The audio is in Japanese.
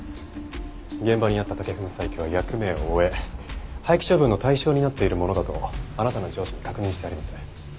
現場にあった竹粉砕機は役目を終え廃棄処分の対象になっているものだとあなたの上司に確認してあります。